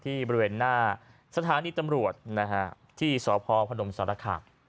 ที่บริเวณหน้าสถานีตำรวจที่สพพศค